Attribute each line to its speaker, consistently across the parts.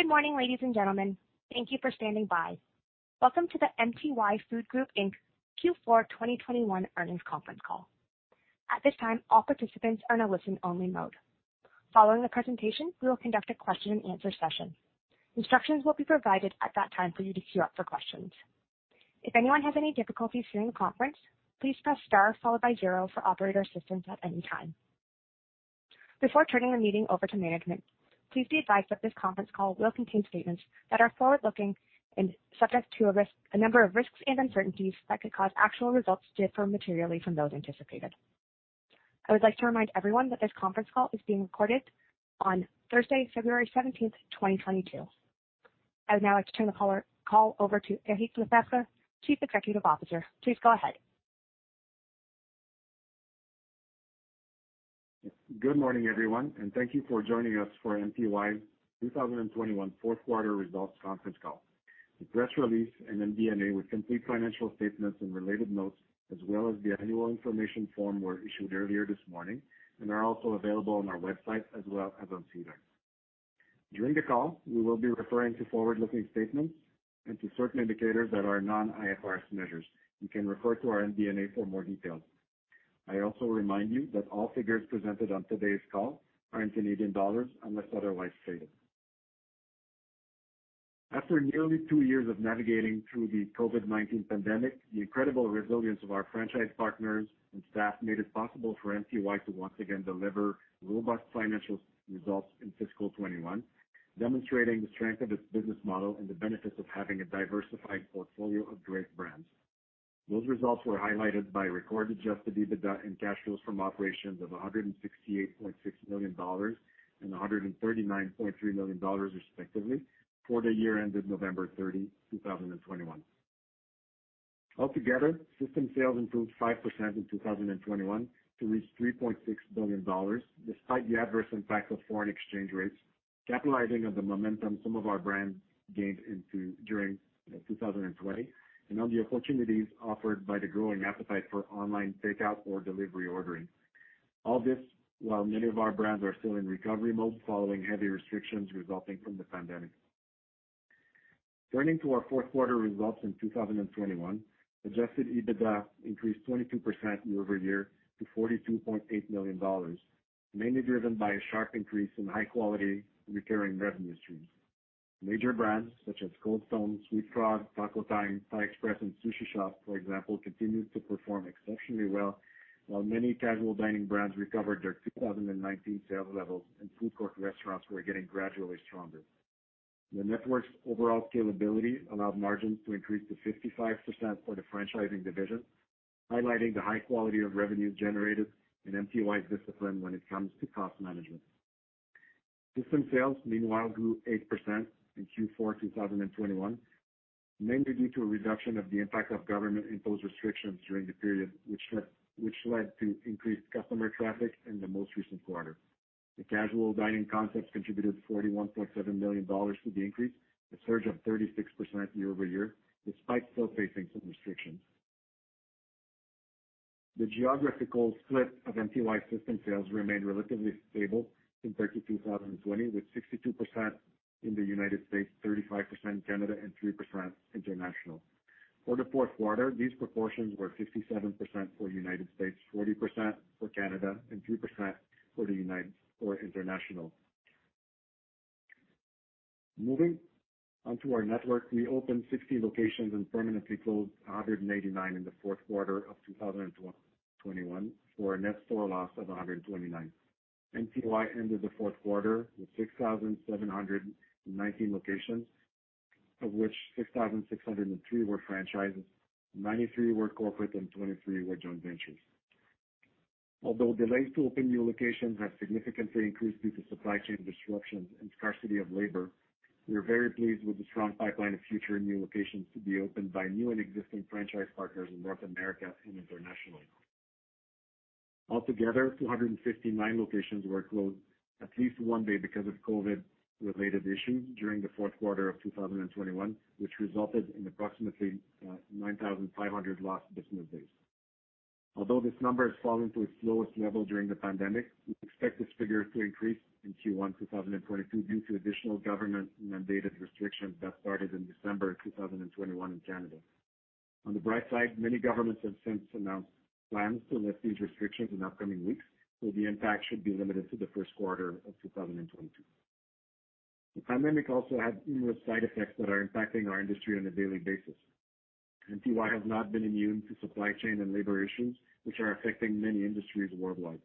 Speaker 1: Good morning, ladies and gentlemen. Thank you for standing by. Welcome to the MTY Food Group Inc. Q4 2021 earnings conference call. At this time, all participants are in a listen-only mode. Following the presentation, we will conduct a question-and-answer session. Instructions will be provided at that time for you to queue up for questions. If anyone has any difficulties during the conference, please press star followed by zero for operator assistance at any time. Before turning the meeting over to management, please be advised that this conference call will contain statements that are forward-looking and subject to a number of risks and uncertainties that could cause actual results to differ materially from those anticipated. I would like to remind everyone that this conference call is being recorded on Thursday, February 17th, 2022. I would now like to turn the call over to Eric Lefebvre, Chief Executive Officer. Please go ahead.
Speaker 2: Good morning, everyone, and thank you for joining us for MTY 2021 fourth quarter results conference call. The press release and MD&A with complete financial statements and related notes, as well as the annual information form, were issued earlier this morning and are also available on our website as well as on SEDAR. During the call, we will be referring to forward-looking statements and to certain indicators that are non-IFRS measures. You can refer to our MD&A for more details. I also remind you that all figures presented on today's call are in Canadian dollars unless otherwise stated. After nearly two years of navigating through the COVID-19 pandemic, the incredible resilience of our franchise partners and staff made it possible for MTY to once again deliver robust financial results in fiscal 2021, demonstrating the strength of its business model and the benefits of having a diversified portfolio of great brands. Those results were highlighted by recorded adjusted EBITDA and cash flows from operations of 168.6 million dollars and 139.3 million dollars, respectively, for the year ended November 30, 2021. Altogether, system sales improved 5% in 2021 to reach 3.6 billion dollars, despite the adverse impact of foreign exchange rates, capitalizing on the momentum some of our brands gained during 2020 and on the opportunities offered by the growing appetite for online takeout or delivery ordering. All this while many of our brands are still in recovery mode following heavy restrictions resulting from the pandemic. Turning to our fourth quarter results in 2021, adjusted EBITDA increased 22% year-over-year to 42.8 million dollars, mainly driven by a sharp increase in high quality recurring revenue streams. Major brands such as Cold Stone, sweetFrog, Taco Time, Thaï Express, and Sushi Shop, for example, continued to perform exceptionally well while many casual dining brands recovered their 2019 sales levels and food court restaurants were getting gradually stronger. The network's overall scalability allowed margins to increase to 55% for the franchising division, highlighting the high quality of revenue generated and MTY's discipline when it comes to cost management. System sales, meanwhile, grew 8% in Q4 2021, mainly due to a reduction of the impact of government-imposed restrictions during the period, which led to increased customer traffic in the most recent quarter. The casual dining concepts contributed 41.7 million dollars to the increase, a surge of 36% year-over-year, despite still facing some restrictions. The geographical split of MTY system sales remained relatively stable in 2020, with 62% in the United States, 35% in Canada, and 3% international. For the fourth quarter, these proportions were 57% for United States, 40% for Canada, and 3% for international. Moving on to our network, we opened 60 locations and permanently closed 189 in the fourth quarter of 2021 for a net store loss of 129. MTY ended the fourth quarter with 6,719 locations, of which 6,603 were franchises, 93 were corporate, and 23 were joint ventures. Although delays to open new locations have significantly increased due to supply chain disruptions and scarcity of labor, we are very pleased with the strong pipeline of future new locations to be opened by new and existing franchise partners in North America and internationally. Altogether, 259 locations were closed at least one day because of COVID-related issues during the fourth quarter of 2021, which resulted in approximately 9,500 lost business days. Although this number has fallen to its lowest level during the pandemic, we expect this figure to increase in Q1 2022 due to additional government-mandated restrictions that started in December 2021 in Canada. On the bright side, many governments have since announced plans to lift these restrictions in upcoming weeks, so the impact should be limited to the first quarter of 2022. The pandemic also has numerous side effects that are impacting our industry on a daily basis. MTY has not been immune to supply chain and labor issues which are affecting many industries worldwide.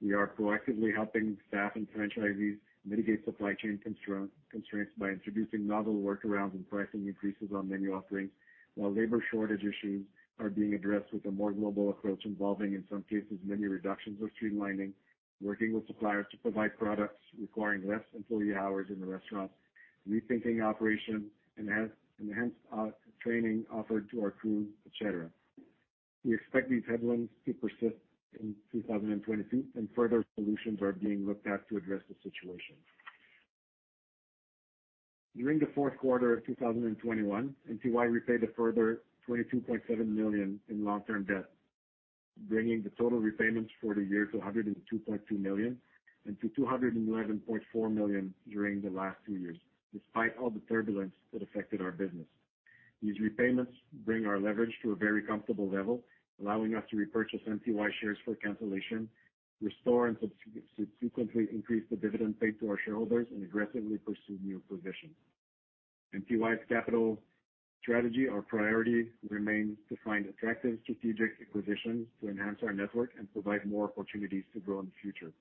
Speaker 2: We are proactively helping staff and franchisees mitigate supply chain constraints by introducing novel workarounds and pricing increases on menu offerings while labor shortage issues are being addressed with a more global approach involving, in some cases, menu reductions or streamlining, working with suppliers to provide products requiring less employee hours in the restaurants, rethinking operations, enhanced training offered to our crew, etc. We expect these headwinds to persist in 2022, and further solutions are being looked at to address the situation. During the fourth quarter of 2021, MTY repaid a further 22.7 million in long-term debt, bringing the total repayments for the year to 102.2 million and to 211.4 million during the last two years, despite all the turbulence that affected our business. These repayments bring our leverage to a very comfortable level, allowing us to repurchase MTY shares for cancellation, restore and subsequently increase the dividend paid to our shareholders, and aggressively pursue new positions. MTY's capital strategy, our priority remains to find attractive strategic acquisitions to enhance our network and provide more opportunities to grow in the future.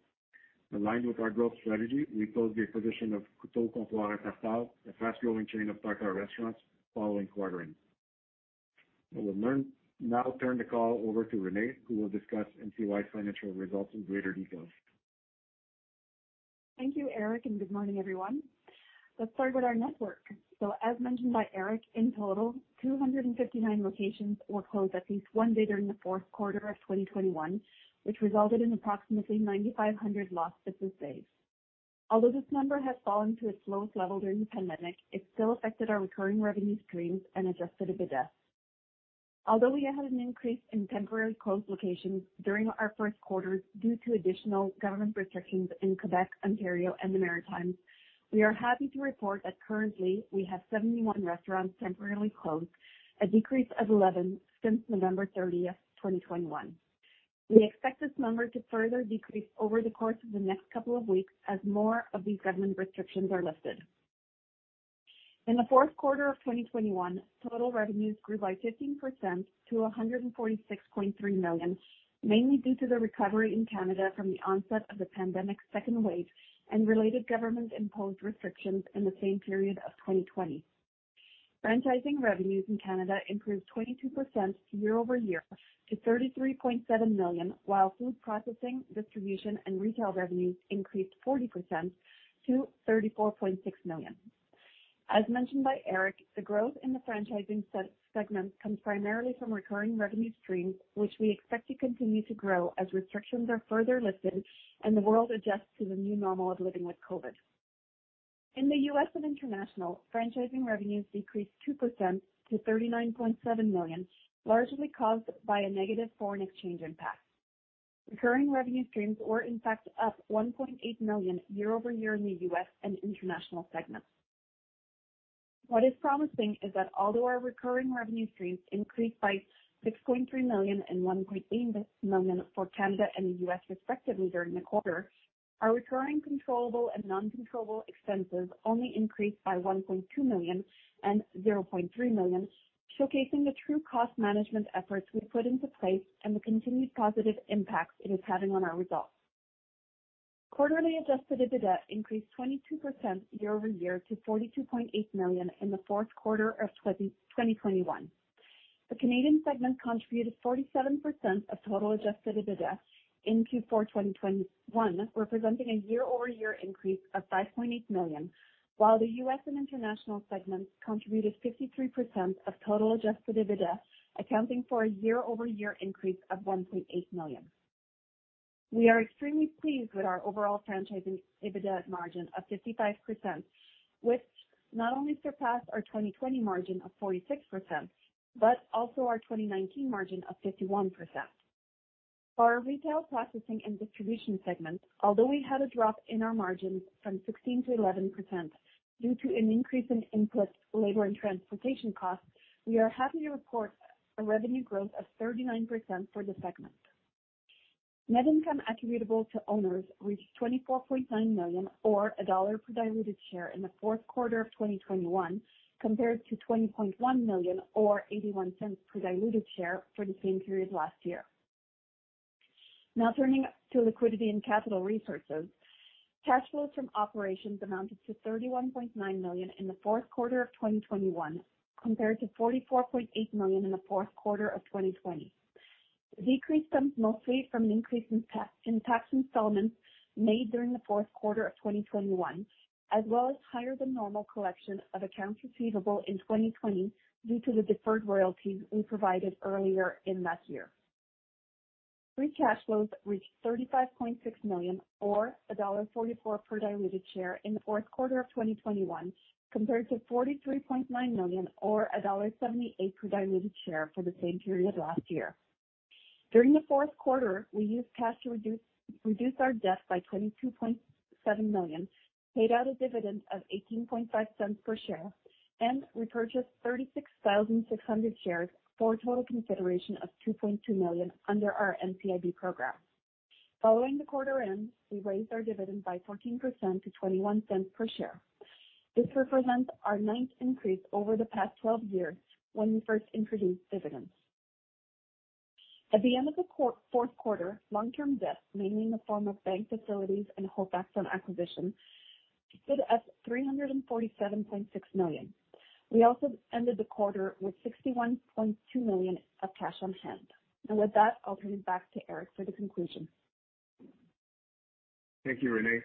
Speaker 2: Aligned with our growth strategy, we closed the acquisition of Küto Comptoir à Tartares, a fast-growing chain of tartare restaurants, following quarter end. I will now turn the call over to Renée, who will discuss MTY's financial results in greater details.
Speaker 3: Thank you, Eric, and good morning, everyone. Let's start with our network. As mentioned by Eric, in total, 259 locations were closed at least one day during the fourth quarter of 2021, which resulted in approximately 9,500 lost business days. Although this number has fallen to its lowest level during the pandemic, it still affected our recurring revenue streams and adjusted EBITDA. Although we had an increase in temporary closed locations during our first quarter due to additional government restrictions in Quebec, Ontario, and the Maritimes, we are happy to report that currently we have 71 restaurants temporarily closed, a decrease of 11 since November 30th, 2021. We expect this number to further decrease over the course of the next couple of weeks as more of these government restrictions are lifted. In the fourth quarter of 2021, total revenues grew by 15% to 146.3 million, mainly due to the recovery in Canada from the onset of the pandemic's second wave and related government-imposed restrictions in the same period of 2020. Franchising revenues in Canada improved 22% year-over-year to 33.7 million, while food processing, distribution, and retail revenues increased 40% to 34.6 million. As mentioned by Eric, the growth in the franchising segment comes primarily from recurring revenue streams, which we expect to continue to grow as restrictions are further lifted and the world adjusts to the new normal of living with COVID. In the U.S. and international, franchising revenues decreased 2% to 39.7 million, largely caused by a negative foreign exchange impact. Recurring revenue streams were in fact up 1.8 million year-over-year in the U.S. and international segments. What is promising is that although our recurring revenue streams increased by 6.3 million and 1.8 million for Canada and the U.S. respectively during the quarter, our recurring controllable and non-controllable expenses only increased by 1.2 million and 0.3 million, showcasing the true cost management efforts we put into place and the continued positive impacts it is having on our results. Quarterly adjusted EBITDA increased 22% year-over-year to 42.8 million in the fourth quarter of 2021. The Canadian segment contributed 47% of total adjusted EBITDA in Q4 2021, representing a year-over-year increase of 5.8 million, while the US and international segments contributed 53% of total adjusted EBITDA, accounting for a year-over-year increase of 1.8 million. We are extremely pleased with our overall franchising EBITDA margin of 55%, which not only surpassed our 2020 margin of 46%, but also our 2019 margin of 51%. For our retail processing and distribution segment, although we had a drop in our margins from 16% to 11% due to an increase in input, labor, and transportation costs, we are happy to report a revenue growth of 39% for the segment. Net income attributable to owners reached 24.9 million or CAD 1 per diluted share in the fourth quarter of 2021, compared to 20.1 million or 0.81 per diluted share for the same period last year. Now turning to liquidity and capital resources. Cash flows from operations amounted to 31.9 million in the fourth quarter of 2021, compared to 44.8 million in the fourth quarter of 2020. The decrease comes mostly from an increase in tax installments made during the fourth quarter of 2021, as well as higher than normal collections of accounts receivable in 2020 due to the deferred royalties we provided earlier in that year. Free cash flows reached 35.6 million or dollar 1.44 per diluted share in the fourth quarter of 2021, compared to 43.9 million or dollar 1.78 per diluted share for the same period last year. During the fourth quarter, we used cash to reduce our debt by 22.7 million, paid out a dividend of 0.185 per share, and repurchased 36,600 shares for a total consideration of 2.2 million under our NCIB program. Following the quarter end, we raised our dividend by 14% to 0.21 per share. This represents our ninth increase over the past 12 years when we first introduced dividends. At the end of the fourth quarter, long-term debt, mainly in the form of bank facilities and holdbacks on acquisitions, stood at 347.6 million. We also ended the quarter with 61.2 million of cash on hand. With that, I'll turn it back to Eric for the conclusion.
Speaker 2: Thank you, Renée.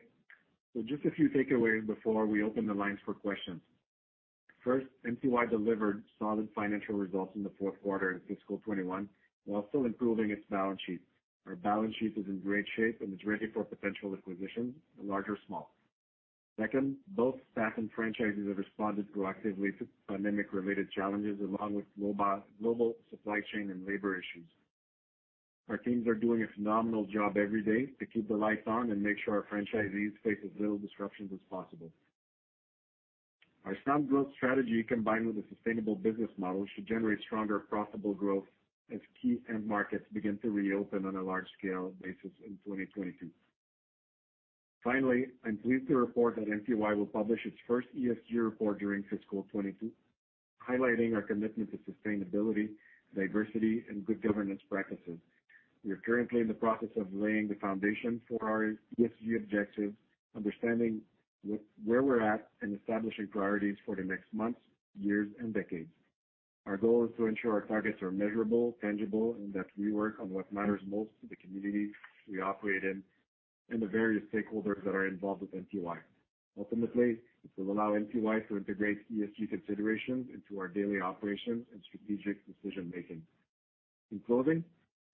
Speaker 2: Just a few takeaways before we open the lines for questions. First, MTY delivered solid financial results in the fourth quarter in fiscal 2021, while still improving its balance sheet. Our balance sheet is in great shape and is ready for potential acquisitions, large or small. Second, both staff and franchises have responded proactively to pandemic-related challenges, along with macro-global supply chain and labor issues. Our teams are doing a phenomenal job every day to keep the lights on and make sure our franchisees face as little disruptions as possible. Our sound growth strategy, combined with a sustainable business model, should generate stronger profitable growth as key end markets begin to reopen on a large-scale basis in 2022. Finally, I'm pleased to report that MTY will publish its first ESG report during fiscal 2022, highlighting our commitment to sustainability, diversity, and good governance practices. We are currently in the process of laying the foundation for our ESG objectives, understanding where we're at, and establishing priorities for the next months, years, and decades. Our goal is to ensure our targets are measurable, tangible, and that we work on what matters most to the communities we operate in and the various stakeholders that are involved with MTY. Ultimately, this will allow MTY to integrate ESG considerations into our daily operations and strategic decision-making. In closing,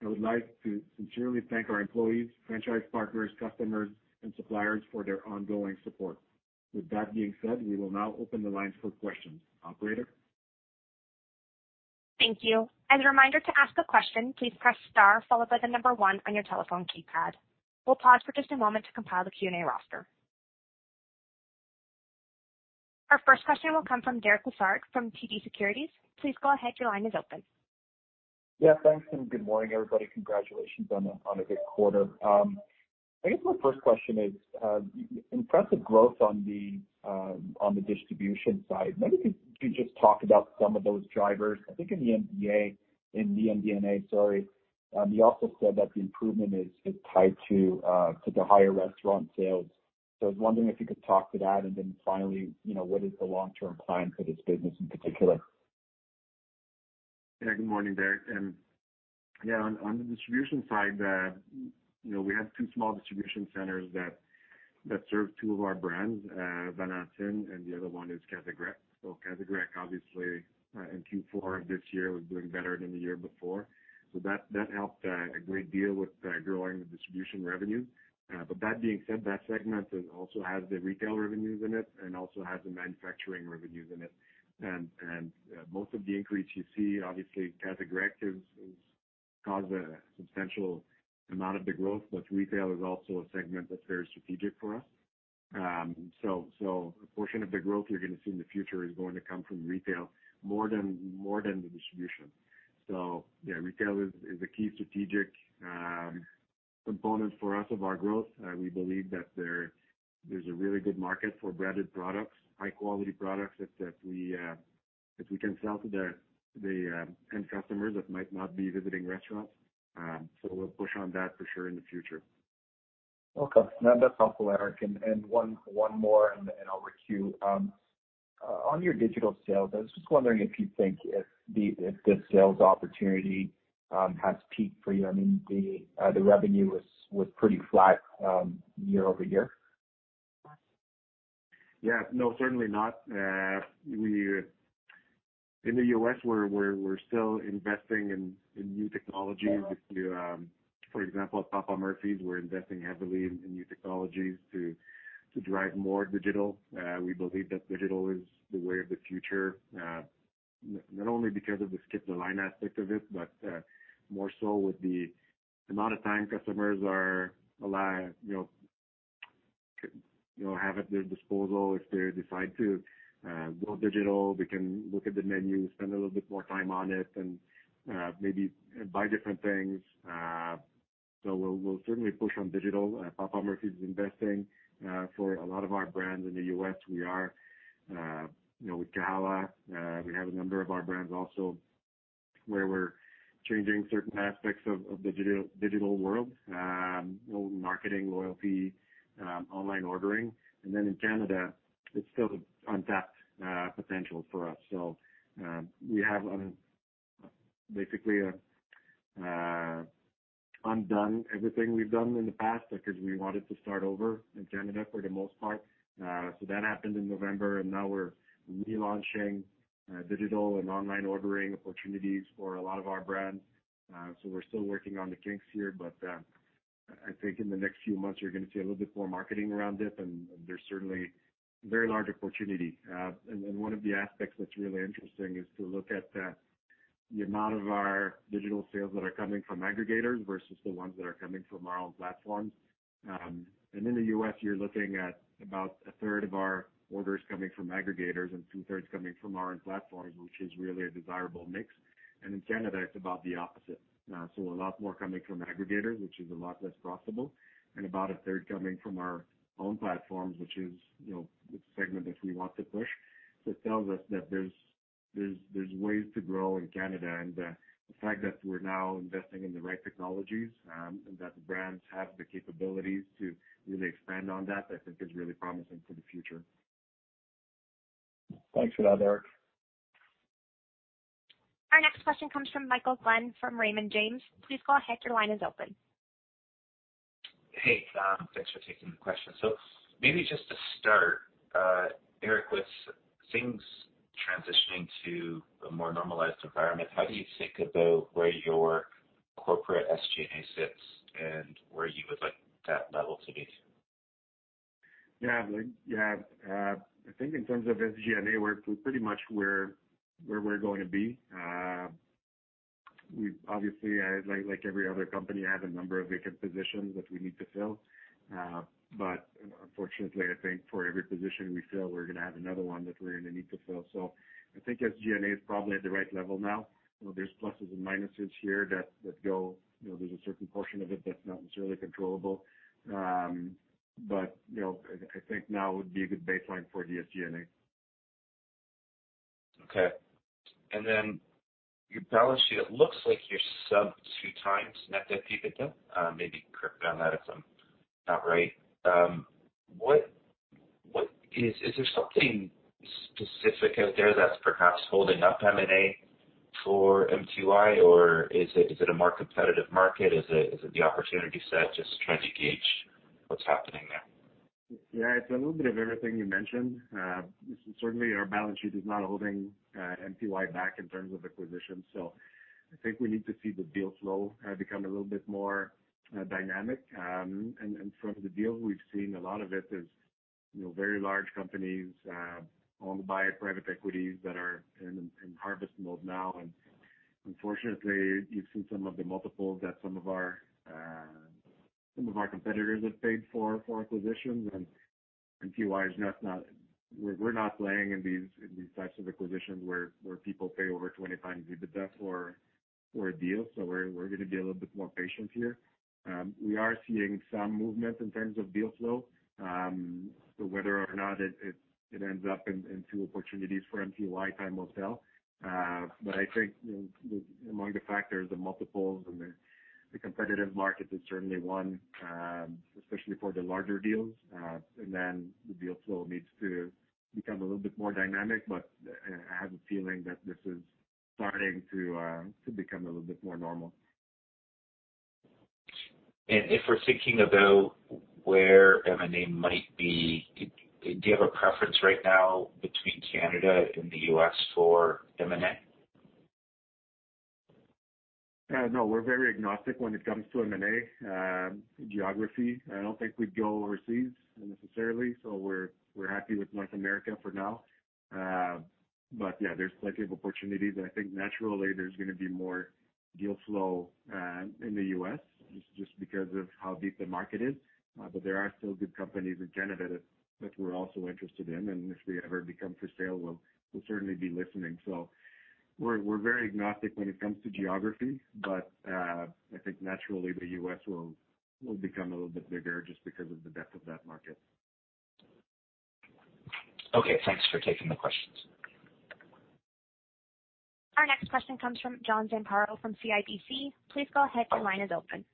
Speaker 2: I would like to sincerely thank our employees, franchise partners, customers, and suppliers for their ongoing support. With that being said, we will now open the lines for questions. Operator?
Speaker 1: Thank you. As a reminder, to ask a question, please press star followed by the number one on your telephone keypad. We'll pause for just a moment to compile the Q&A roster. Our first question will come from Derek Lessard from TD Securities. Please go ahead, your line is open.
Speaker 4: Yeah, thanks, and good morning, everybody. Congratulations on a good quarter. I guess my first question is impressive growth on the distribution side. Maybe if you could just talk about some of those drivers. I think in the MD&A, you also said that the improvement is tied to the higher restaurant sales. I was wondering if you could talk to that. Finally, you know, what is the long-term plan for this business in particular?
Speaker 2: Yeah. Good morning, Derek. On the distribution side, you know, we have two small distribution centers that serve two of our brands, Valentine, and the other one is Casa Grecque. Casa Grecque, obviously, in Q4 of this year was doing better than the year before, so that helped a great deal with growing the distribution revenue. But that being said, that segment also has the retail revenues in it and also has the manufacturing revenues in it. Most of the increase you see, obviously, Casa Grecque caused a substantial amount of the growth, but retail is also a segment that's very strategic for us. A portion of the growth you're gonna see in the future is going to come from retail more than the distribution. Yeah, retail is a key strategic component for us of our growth. We believe that there's a really good market for branded products, high-quality products that we can sell to the end customers that might not be visiting restaurants. We'll push on that for sure in the future.
Speaker 4: Okay. No, that's helpful, Eric. One more and I'll queue. On your digital sales, I was just wondering if you think if this sales opportunity has peaked for you. I mean, the revenue was pretty flat year-over-year.
Speaker 2: Yeah. No, certainly not. In the U.S., we're still investing in new technologies. For example, at Papa Murphy's, we're investing heavily in new technologies to drive more digital. We believe that digital is the way of the future, not only because of the skip-the-line aspect of it, but more so with the amount of time customers are allowed, you know, have at their disposal. If they decide to go digital, they can look at the menu, spend a little bit more time on it, and maybe buy different things. We'll certainly push on digital. Papa Murphy's is investing for a lot of our brands in the U.S. We are, you know, with Kahala, we have a number of our brands also where we're changing certain aspects of the digital world, you know, marketing, loyalty, online ordering. In Canada, it's still the untapped potential for us. We have basically undone everything we've done in the past because we wanted to start over in Canada for the most part. That happened in November, and now we're relaunching digital and online ordering opportunities for a lot of our brands. We're still working on the kinks here, but I think in the next few months you're gonna see a little bit more marketing around it. There's certainly very large opportunity. One of the aspects that's really interesting is to look at the amount of our digital sales that are coming from aggregators versus the ones that are coming from our own platforms. In the U.S., you're looking at about a third of our orders coming from aggregators and two-thirds coming from our own platforms, which is really a desirable mix. In Canada, it's about the opposite, a lot more coming from aggregators, which is a lot less profitable, and about a third coming from our own platforms, which is, you know, the segment that we want to push. It tells us that there's ways to grow in Canada. The fact that we're now investing in the right technologies, and that the brands have the capabilities to really expand on that, I think is really promising for the future.
Speaker 4: Thanks for that, Eric.
Speaker 1: Our next question comes from Michael Glen from Raymond James. Please go ahead. Your line is open.
Speaker 5: Hey, thanks for taking the question. Maybe just to start, Eric, with things transitioning to a more normalized environment, how do you think about where your corporate SG&A sits and where you would like that level to be?
Speaker 2: I think in terms of SG&A, we're pretty much where we're going to be. We obviously, like every other company, have a number of vacant positions that we need to fill. Unfortunately, I think for every position we fill, we're gonna have another one that we're gonna need to fill. I think SG&A is probably at the right level now. There's pluses and minuses here. You know, there's a certain portion of it that's not necessarily controllable. You know, I think now would be a good baseline for the SG&A.
Speaker 5: Okay. Your balance sheet, it looks like you're sub two times net debt to EBITDA. Maybe correct me on that if I'm not right. Is there something specific out there that's perhaps holding up M&A for MTY, or is it a more competitive market? Is it the opportunity set? Just trying to gauge what's happening there.
Speaker 2: Yeah, it's a little bit of everything you mentioned. Certainly our balance sheet is not holding MTY back in terms of acquisitions, so I think we need to see the deal flow become a little bit more dynamic. From the deals we've seen, a lot of it is, you know, very large companies owned by private equities that are in harvest mode now. Unfortunately, you've seen some of the multiples that some of our competitors have paid for acquisitions. MTY is just not. We're not playing in these types of acquisitions where people pay over 20x EBITDA for a deal. We're gonna be a little bit more patient here. We are seeing some movement in terms of deal flow. Whether or not it ends up in two opportunities for MTY, time will tell. I think, you know, among the factors, the multiples and the competitive market is certainly one, especially for the larger deals. The deal flow needs to become a little bit more dynamic, but I have a feeling that this is starting to become a little bit more normal.
Speaker 5: If we're thinking about where M&A might be, do you have a preference right now between Canada and the U.S. for M&A?
Speaker 2: No, we're very agnostic when it comes to M&A, geography. I don't think we'd go overseas necessarily, so we're happy with North America for now. Yeah, there's plenty of opportunities. I think naturally there's gonna be more deal flow in the U.S. just because of how deep the market is. There are still good companies in Canada that we're also interested in, and if they ever become for sale, we'll certainly be listening. We're very agnostic when it comes to geography, but I think naturally the U.S. will become a little bit bigger just because of the depth of that market.
Speaker 5: Okay, thanks for taking the questions.
Speaker 1: Our next question comes from John Zamparo from CIBC. Please go ahead. Your line is open.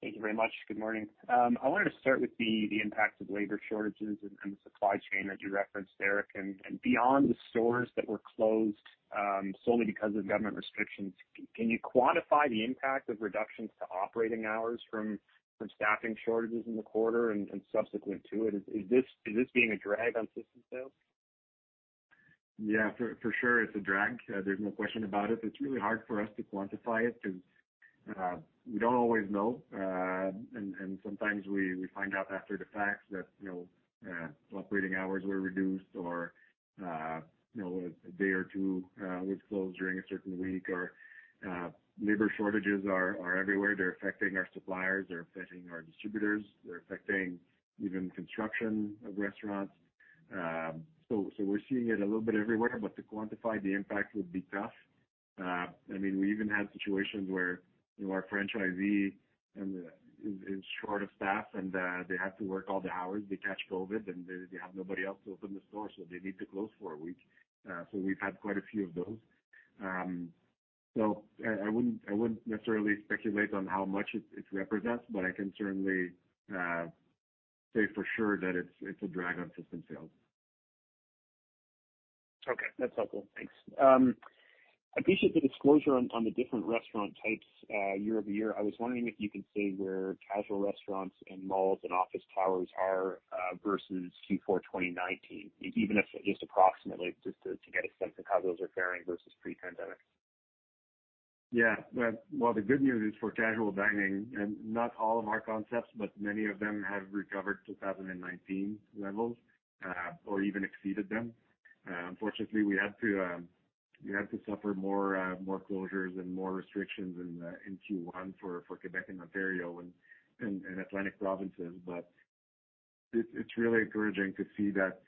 Speaker 6: Thank you very much. Good morning. I wanted to start with the impact of labor shortages and the supply chain that you referenced, Eric. Beyond the stores that were closed solely because of government restrictions, can you quantify the impact of reductions to operating hours from staffing shortages in the quarter and subsequent to it? Is this being a drag on system sales?
Speaker 2: Yeah, for sure it's a drag. There's no question about it. It's really hard for us to quantify it because we don't always know. Sometimes we find out after the fact that, you know, operating hours were reduced or, you know, a day or two was closed during a certain week, or labor shortages are everywhere. They're affecting our suppliers. They're affecting our distributors. They're affecting even construction of restaurants. So we're seeing it a little bit everywhere, but to quantify the impact would be tough. I mean, we even had situations where, you know, our franchisee is short of staff, and they have to work all the hours. They catch COVID, and they have nobody else to open the store, so they need to close for a week. We've had quite a few of those. I wouldn't necessarily speculate on how much it represents, but I can certainly say for sure that it's a drag on system sales.
Speaker 6: Okay, that's helpful. Thanks. I appreciate the disclosure on the different restaurant types year over year. I was wondering if you can say where casual restaurants and malls and office towers are versus Q4 2019, even if just approximately, just to get a sense of how those are faring versus pre-pandemic.
Speaker 2: Yeah. Well, the good news is for casual dining, and not all of our concepts, but many of them have recovered 2019 levels, or even exceeded them. Unfortunately, we had to suffer more closures and more restrictions in Q1 for Quebec and Ontario and Atlantic provinces. It's really encouraging to see that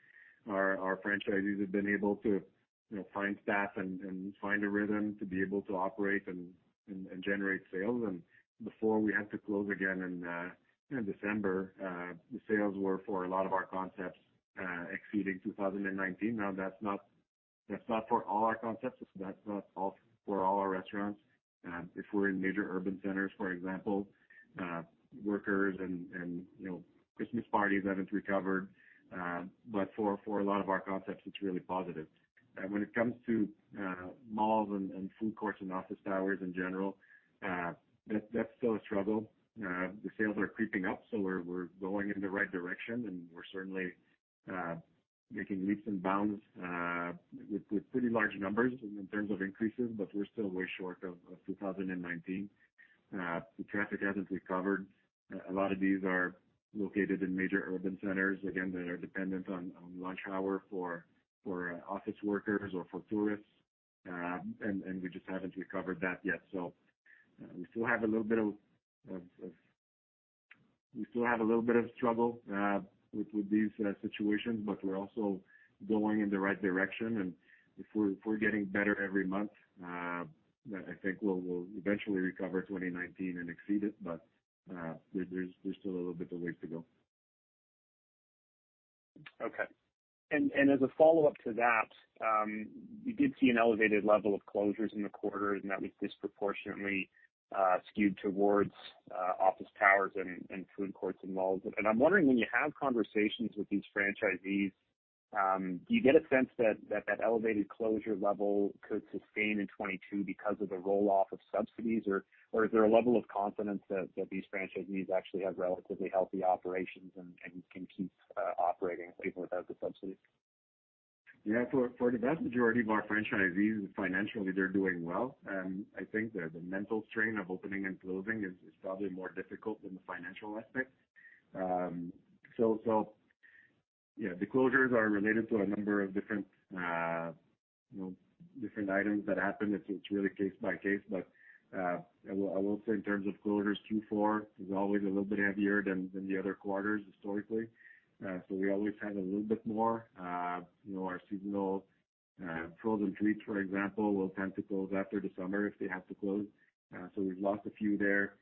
Speaker 2: our franchisees have been able to, you know, find staff and find a rhythm to be able to operate and generate sales. Before we had to close again in December, the sales were for a lot of our concepts, exceeding 2019. Now, that's not for all our concepts. That's not for all our restaurants. If we're in major urban centers, for example, workers and, you know, Christmas parties haven't recovered. For a lot of our concepts, it's really positive. When it comes to malls and food courts and office towers in general, that's still a struggle. The sales are creeping up, so we're going in the right direction, and we're certainly making leaps and bounds with pretty large numbers in terms of increases, but we're still way short of 2019. The traffic hasn't recovered. A lot of these are located in major urban centers, again, that are dependent on lunch hour for office workers or for tourists, and we just haven't recovered that yet. We still have a little bit of struggle with these situations, but we're also going in the right direction. If we're getting better every month, then I think we'll eventually recover 2019 and exceed it. There's still a little bit of ways to go.
Speaker 6: Okay. As a follow-up to that, we did see an elevated level of closures in the quarter, and that was disproportionately skewed towards office towers and food courts and malls. I'm wondering, when you have conversations with these franchisees, do you get a sense that that elevated closure level could sustain in 2022 because of the roll-off of subsidies? Or is there a level of confidence that these franchisees actually have relatively healthy operations and can keep operating even without the subsidies?
Speaker 2: Yeah. For the vast majority of our franchisees, financially, they're doing well. I think the mental strain of opening and closing is probably more difficult than the financial aspect. Yeah, the closures are related to a number of different, you know, different items that happen. It's really case by case. I will say in terms of closures, Q4 is always a little bit heavier than the other quarters historically. We always have a little bit more. You know, our seasonal frozen treats, for example, will tend to close after the summer if they have to close. We've lost a few there.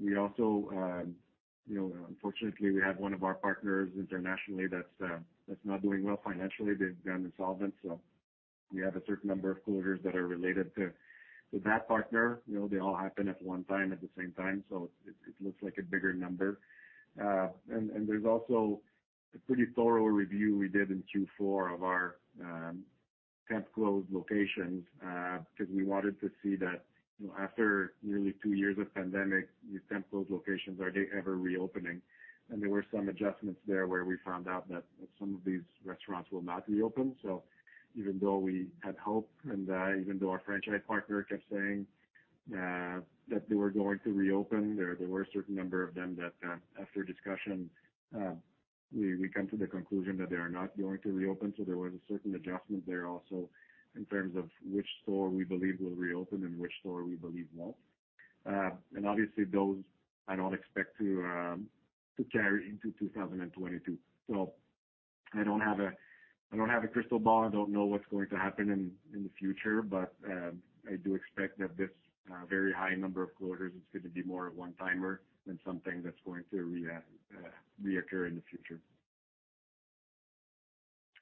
Speaker 2: We also, you know, unfortunately, we have one of our partners internationally that's not doing well financially. They've gone insolvent. We have a certain number of closures that are related to that partner. You know, they all happen at one time, at the same time, so it looks like a bigger number. There's also a pretty thorough review we did in Q4 of our temp closed locations because we wanted to see that, you know, after nearly two years of pandemic, these temp closed locations, are they ever reopening? There were some adjustments there where we found out that some of these restaurants will not reopen. Even though we had hope and even though our franchise partner kept saying that they were going to reopen, there were a certain number of them that, after discussion, we come to the conclusion that they are not going to reopen. There was a certain adjustment there also in terms of which store we believe will reopen and which store we believe won't. Obviously those I don't expect to carry into 2022. I don't have a crystal ball. I don't know what's going to happen in the future, but I do expect that this very high number of closures is gonna be more a one-timer than something that's going to reoccur in the future.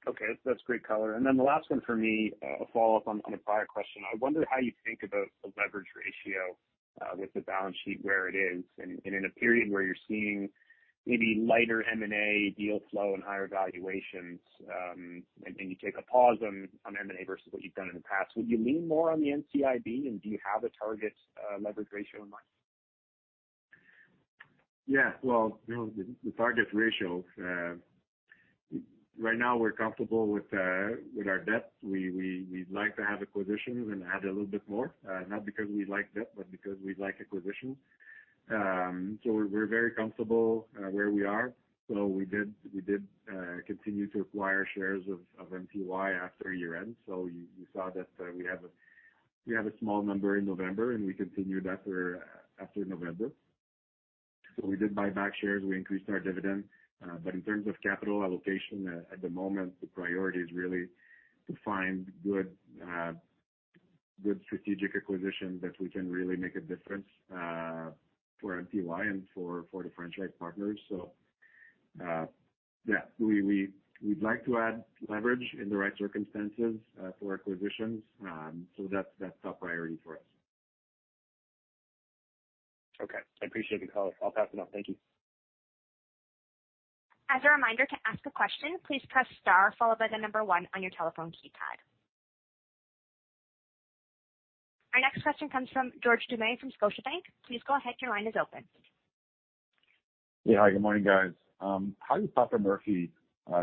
Speaker 6: Okay. That's great color. Then the last one for me, a follow-up on a prior question. I wonder how you think about the leverage ratio, with the balance sheet where it is, and in a period where you're seeing maybe lighter M&A deal flow and higher valuations, and then you take a pause on M&A versus what you've done in the past. Would you lean more on the NCIB, and do you have a target leverage ratio in mind?
Speaker 2: Yeah. Well, you know, the target ratio right now we're comfortable with our debt. We'd like to have acquisitions and add a little bit more, not because we like debt, but because we like acquisitions. We're very comfortable where we are. We did continue to acquire shares of MTY after year-end. You saw that we have a small number in November, and we continued that after November. We did buy back shares, we increased our dividend. In terms of capital allocation, at the moment, the priority is really to find good strategic acquisitions that we can really make a difference for MTY and for the franchise partners. Yeah, we'd like to add leverage in the right circumstances for acquisitions. That's top priority for us.
Speaker 6: Okay. I appreciate the color. I'll pass it on. Thank you.
Speaker 1: As a reminder, to ask a question, please press star followed by the number one on your telephone keypad. Our next question comes from George Doumet from Scotiabank. Please go ahead, your line is open.
Speaker 7: Yeah. Hi, good morning, guys. How did Papa Murphy's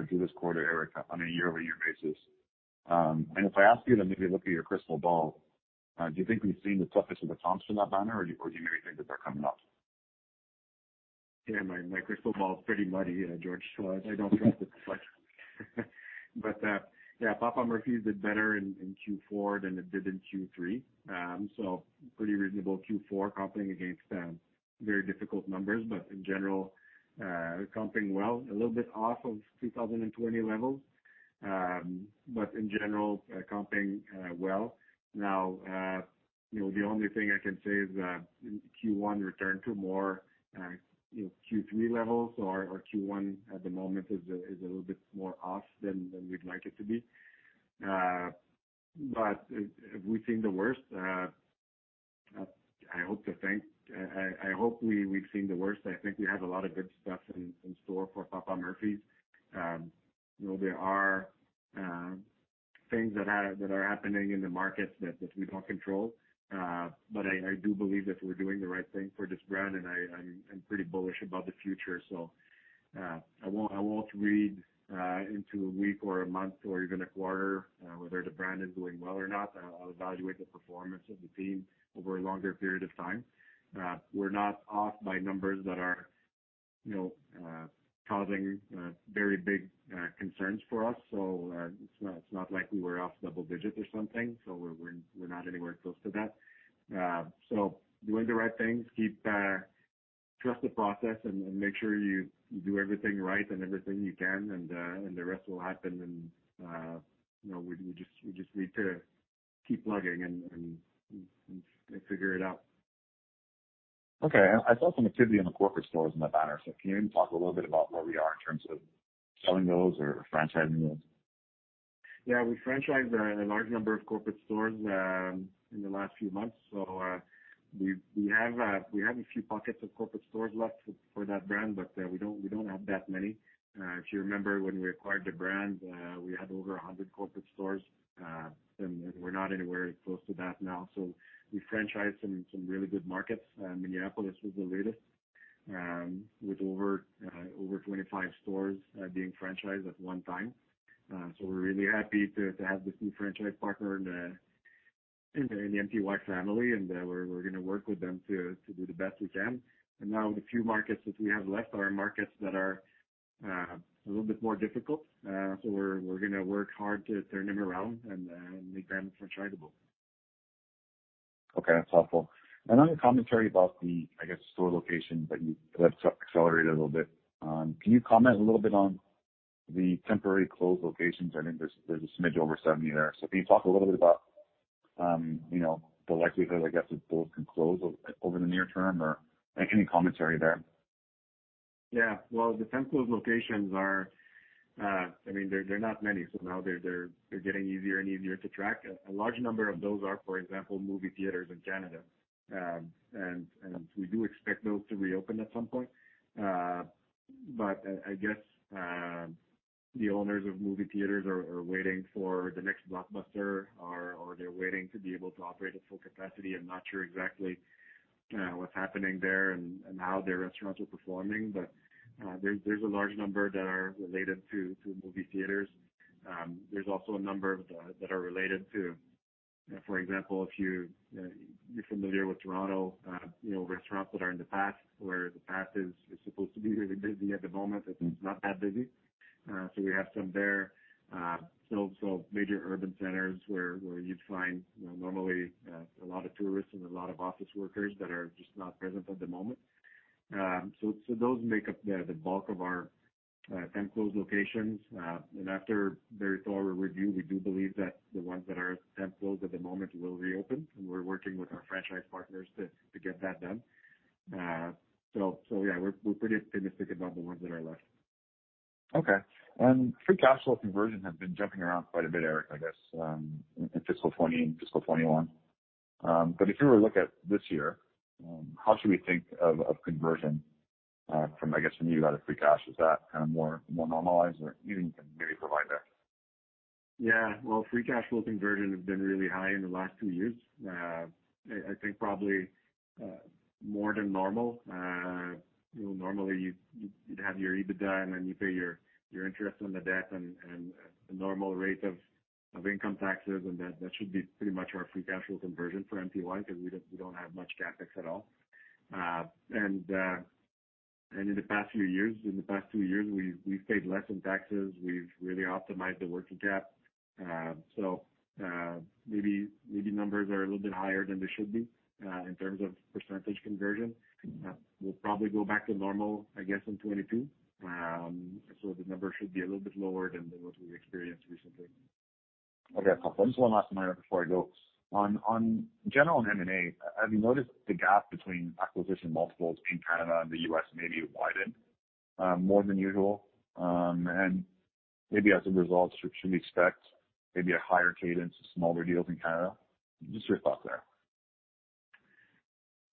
Speaker 7: do this quarter, Eric, on a year-over-year basis? If I ask you to maybe look at your crystal ball, do you think we've seen the toughest of the comps for that banner or do you maybe think that they're coming up?
Speaker 2: Yeah. My crystal ball is pretty muddy, George, so I don't trust it much. Yeah, Papa Murphy's did better in Q4 than it did in Q3. Pretty reasonable Q4 comping against very difficult numbers, but in general, comping well, a little bit off of 2020 levels. Now, you know, the only thing I can say is that Q1 returned to more Q3 levels or Q1 at the moment is a little bit more off than we'd like it to be. Have we seen the worst? I hope we've seen the worst. I think we have a lot of good stuff in store for Papa Murphy's. You know, there are things that are happening in the market that we can't control. I do believe that we're doing the right thing for this brand, and I'm pretty bullish about the future. I won't read into a week or a month or even a quarter whether the brand is doing well or not. I'll evaluate the performance of the team over a longer period of time. We're not off by numbers that are, you know, causing very big concerns for us. It's not like we were off double digits or something. We're not anywhere close to that. Doing the right things, trust the process and make sure you do everything right and everything you can and the rest will happen. You know, we just need to keep plugging and figure it out.
Speaker 7: Okay. I saw some activity in the corporate stores in that banner. Can you talk a little bit about where we are in terms of selling those or franchising those?
Speaker 2: Yeah. We franchised a large number of corporate stores in the last few months. We have a few pockets of corporate stores left for that brand, but we don't have that many. If you remember when we acquired the brand, we had over 100 corporate stores. We're not anywhere close to that now. We franchised in some really good markets. Minneapolis was the latest, with over 25 stores being franchised at one time. We're really happy to have this new franchise partner in the MTY family, and we're gonna work with them to do the best we can. Now the few markets that we have left are markets that are a little bit more difficult. We're gonna work hard to turn them around and make them franchisable.
Speaker 7: Okay, that's helpful. On your commentary about the, I guess, store locations that you have accelerated a little bit, can you comment a little bit on the temporary closed locations? I think there's a smidge over 70 there. Can you talk a little bit about, you know, the likelihood, I guess, that those can close over the near term or make any commentary there?
Speaker 2: Yeah. Well, the temp closed locations are, I mean, they're getting easier and easier to track. A large number of those are, for example, movie theaters in Canada. We do expect those to reopen at some point. I guess the owners of movie theaters are waiting for the next blockbuster or they're waiting to be able to operate at full capacity. I'm not sure exactly what's happening there and how their restaurants are performing. There's a large number that are related to movie theaters. There's also a number of that are related to, for example, if you're familiar with Toronto, you know, restaurants that are in the Path, where the Path is supposed to be really busy at the moment. It's not that busy. We have some there. Major urban centers where you'd find normally a lot of tourists and a lot of office workers that are just not present at the moment. Those make up the bulk of our temp closed locations. After very thorough review, we do believe that the ones that are temp closed at the moment will reopen, and we're working with our franchise partners to get that done. Yeah, we're pretty optimistic about the ones that are left.
Speaker 7: Okay. Free cash flow conversion has been jumping around quite a bit, Eric, I guess, in fiscal 2020 and fiscal 2021. If you were to look at this year, how should we think of conversion from your outlook for free cash? Is that kind of more normalized or you can maybe provide there?
Speaker 2: Yeah. Well, free cash flow conversion has been really high in the last two years. I think probably more than normal. You know, normally you'd have your EBITDA and then you pay your interest on the debt and the normal rate of income taxes, and that should be pretty much our free cash flow conversion for MTY because we don't have much CapEx at all. And in the past few years, in the past two years, we've paid less in taxes. We've really optimized the working cap. Maybe numbers are a little bit higher than they should be in terms of percentage conversion. We'll probably go back to normal, I guess, in 2022. The numbers should be a little bit lower than what we've experienced recently.
Speaker 7: Okay. Just one last one before I go. On general on M&A, have you noticed the gap between acquisition multiples in Canada and the U.S. maybe widened more than usual? Maybe as a result, should we expect maybe a higher cadence of smaller deals in Canada? Just your thoughts there.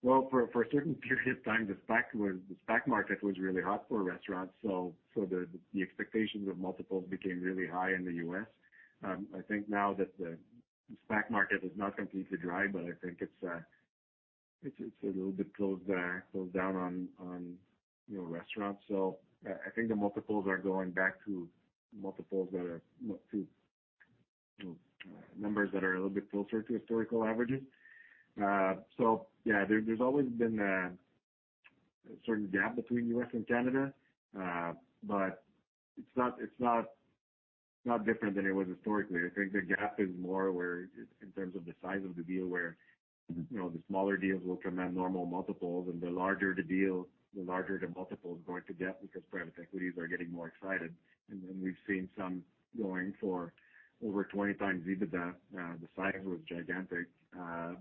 Speaker 2: Well, for a certain period of time, the SPAC market was really hot for restaurants, so the expectations of multiples became really high in the U.S. I think now that the SPAC market is not completely dry, but I think it's a little bit cooled down on you know restaurants. I think the multiples are going back to multiples that are you know to you know numbers that are a little bit closer to historical averages. Yeah, there's always been a certain gap between U.S. and Canada. It's not different than it was historically. I think the gap is more where in terms of the size of the deal, where, you know, the smaller deals will command normal multiples, and the larger the deal, the larger the multiple is going to get because private equities are getting more excited. We've seen some going for over 20x EBITDA. The size was gigantic,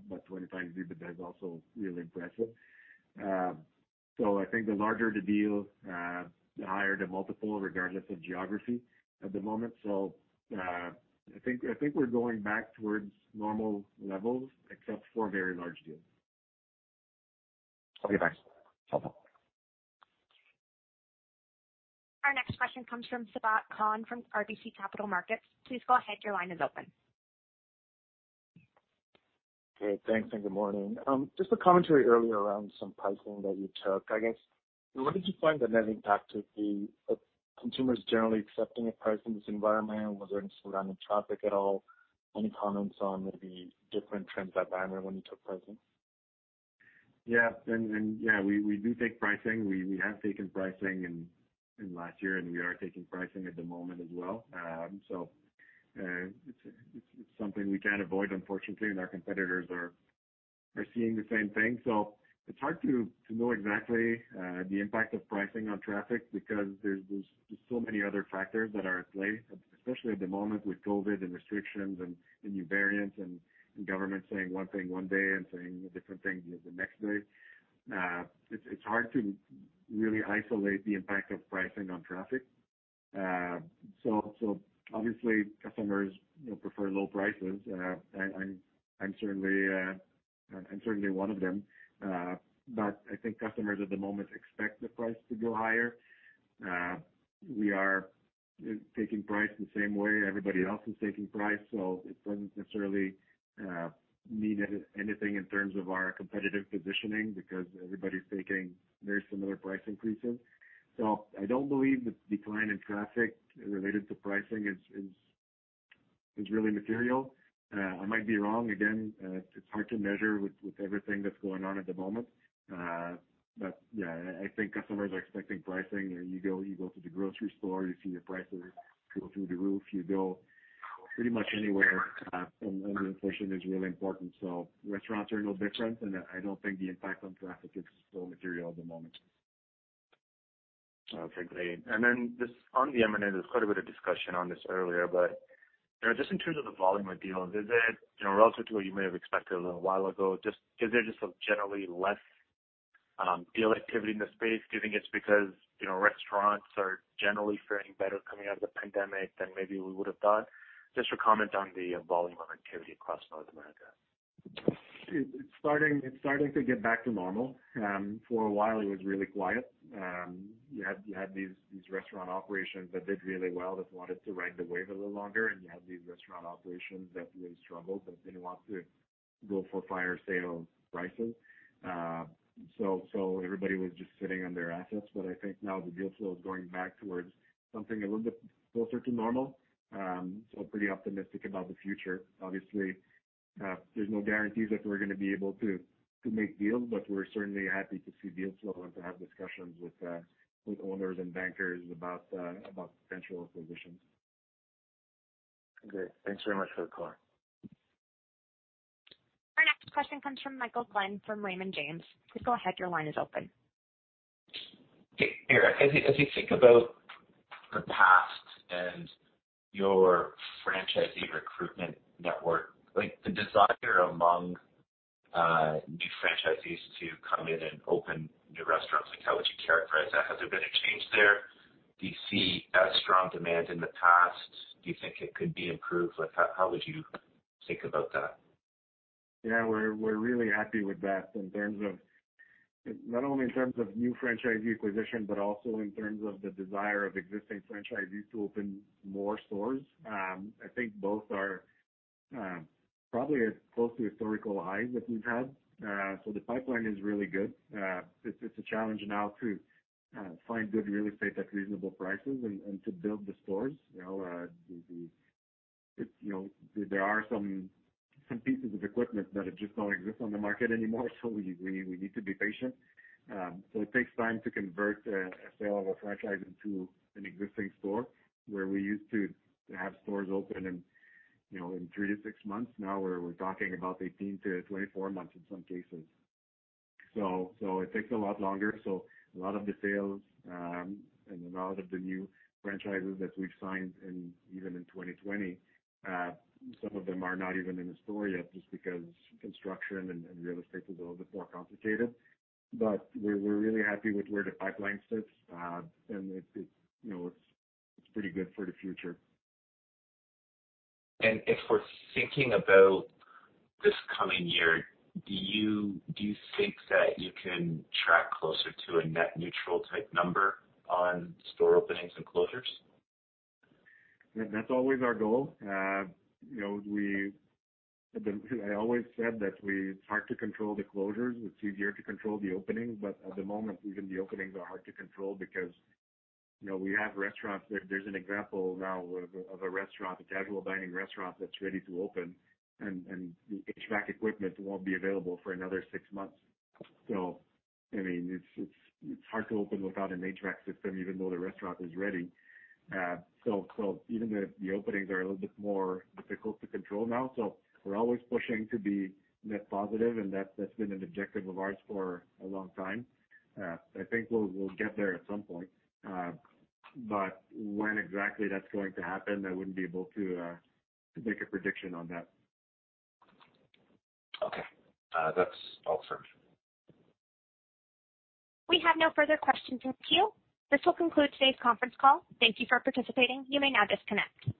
Speaker 2: but 20x EBITDA is also really impressive. I think the larger the deal, the higher the multiple regardless of geography at the moment. I think we're going back towards normal levels, except for very large deals.
Speaker 7: Okay, thanks. Bye-bye.
Speaker 1: Our next question comes from Sabahat Khan from RBC Capital Markets. Please go ahead, your line is open.
Speaker 8: Hey, thanks and good morning. Just a commentary earlier around some pricing that you took. I guess, what did you find the net impact to be? Are consumers generally accepting of price in this environment? Was there any surrounding traffic at all? Any comments on maybe different trends by banner when you took pricing?
Speaker 2: Yeah, we do take pricing. We have taken pricing in last year, and we are taking pricing at the moment as well. It's something we can't avoid, unfortunately, and our competitors are seeing the same thing. It's hard to know exactly the impact of pricing on traffic because there's just so many other factors that are at play, especially at the moment with COVID and restrictions and the new variants and government saying one thing one day and saying a different thing the next day. It's hard to really isolate the impact of pricing on traffic. Obviously customers, you know, prefer low prices. I'm certainly one of them. I think customers at the moment expect the price to go higher. We are taking price the same way everybody else is taking price, so it doesn't necessarily mean anything in terms of our competitive positioning because everybody's taking very similar price increases. I don't believe the decline in traffic related to pricing is really material. I might be wrong. Again, it's hard to measure with everything that's going on at the moment. Yeah, I think customers are expecting pricing. You go to the grocery store, you see the prices go through the roof. You go pretty much anywhere, and inflation is really important. Restaurants are no different, and I don't think the impact on traffic is so material at the moment.
Speaker 8: Okay, great. Just on the M&A, there's quite a bit of discussion on this earlier, but, you know, just in terms of the volume of deals, is it, you know, relative to what you may have expected a little while ago, just is there just a generally less, deal activity in the space? Do you think it's because, you know, restaurants are generally faring better coming out of the pandemic than maybe we would have thought? Just your comment on the volume of activity across North America.
Speaker 2: It's starting to get back to normal. For a while it was really quiet. You had these restaurant operations that did really well, that wanted to ride the wave a little longer, and you had these restaurant operations that really struggled and didn't want to go for fire sale prices. Everybody was just sitting on their assets. I think now the deal flow is going back towards something a little bit closer to normal. Pretty optimistic about the future. Obviously, there's no guarantees that we're gonna be able to make deals, but we're certainly happy to see deal flow and to have discussions with owners and bankers about potential acquisitions.
Speaker 8: Great. Thanks very much for the call.
Speaker 1: Our next question comes from Michael Glen from Raymond James. Please go ahead, your line is open.
Speaker 5: Hey, Eric, as you think about the past and your franchisee recruitment network, like the desire among new franchisees to come in and open new restaurants, like how would you characterize that? Has there been a change there? Do you see as strong demand in the past? Do you think it could be improved? Like how would you think about that?
Speaker 2: Yeah, we're really happy with that in terms of not only in terms of new franchisee acquisition, but also in terms of the desire of existing franchisees to open more stores. I think both are probably as close to historical highs that we've had. The pipeline is really good. It's a challenge now to find good real estate at reasonable prices and to build the stores. You know, there are some pieces of equipment that just don't exist on the market anymore, so we need to be patient. It takes time to convert a sale of a franchise into an existing store. Where we used to have stores open in, you know, in 3 to six months, now we're talking about 18-24 months in some cases. It takes a lot longer. A lot of the sales and a lot of the new franchises that we've signed in, even in 2020, some of them are not even in a store yet just because construction and real estate is a little bit more complicated. We're really happy with where the pipeline sits. It's you know it's pretty good for the future.
Speaker 5: If we're thinking about this coming year, do you think that you can track closer to a net neutral type number on store openings and closures?
Speaker 2: That's always our goal. You know, it's hard to control the closures. It's easier to control the openings, but at the moment, even the openings are hard to control because, you know, we have restaurants. There's an example now of a restaurant, a casual dining restaurant that's ready to open and the HVAC equipment won't be available for another six months. I mean, it's hard to open without an HVAC system even though the restaurant is ready. Even the openings are a little bit more difficult to control now. We're always pushing to be net positive, and that's been an objective of ours for a long time. I think we'll get there at some point. When exactly that's going to happen, I wouldn't be able to make a prediction on that.
Speaker 5: Okay. That's all for me.
Speaker 1: We have no further questions in queue. This will conclude today's conference call. Thank you for participating. You may now disconnect.